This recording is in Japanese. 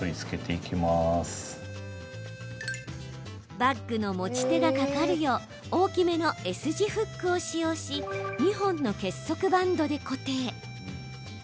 バッグの持ち手が掛かるよう大きめのＳ字フックを使用し２本の結束バンドで固定。